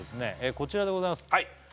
こちらでございます